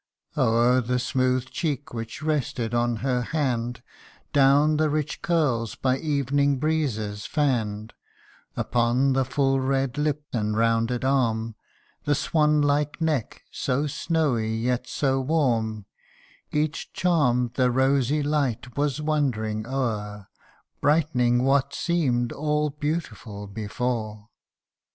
O'er the smooth cheek which rested on her hand ; Down the rich curls by evening breezes fann'd Upon the full red lip, and rounded arm, The swan like neck, so snowy, yet so warm Each charm the rosy light was wandering o'er, Brightening what seem'd all beautiful before.